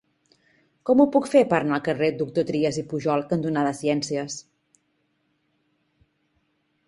Com ho puc fer per anar al carrer Doctors Trias i Pujol cantonada Ciències?